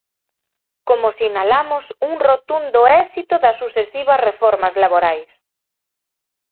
Como sinalamos un rotundo éxito das sucesivas reformas laborais.